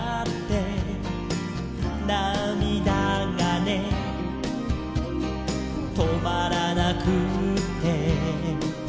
「なみだがねとまらなくって」